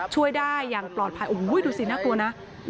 ช่วยได้อย่างปลอดภัยโอ้โหดูสิน่ากลัวนะ